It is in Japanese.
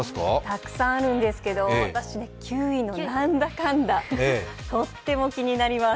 たくさんあるんですけど、私、９位の「ナンダカンダ」、とっても気になります。